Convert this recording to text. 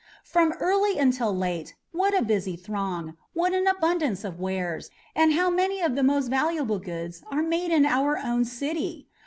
From early until late, what a busy throng, what an abundance of wares and how many of the most valuable goods are made in our own city!